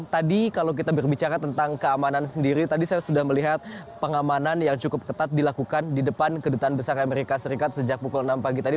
tadi kalau kita berbicara tentang keamanan sendiri tadi saya sudah melihat pengamanan yang cukup ketat dilakukan di depan kedutaan besar amerika serikat sejak pukul enam pagi tadi